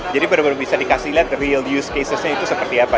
benar benar bisa dikasih lihat real use casesnya itu seperti apa